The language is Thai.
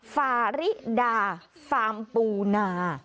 ฟาริดาฟาร์มปูนา